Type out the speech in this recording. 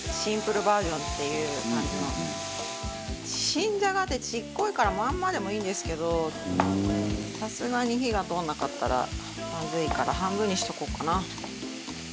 新じゃがってちっこいからまんまでもいいんですけどさすがに火が通らなかったらまずいから半分にしとこうかな。